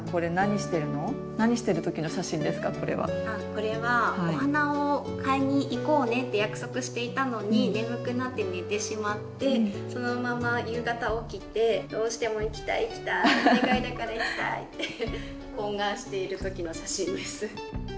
これはお花を買いにいこうねって約束していたのに眠くなって寝てしまってそのまま夕方起きてどうしても行きたい行きたいお願いだから行きたいって懇願している時の写真です。